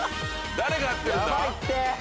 誰が合ってるんだ？